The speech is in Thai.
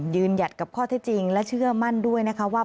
หยัดกับข้อที่จริงและเชื่อมั่นด้วยนะคะว่า